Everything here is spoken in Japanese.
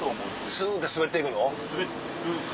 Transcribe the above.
スって滑っていくの？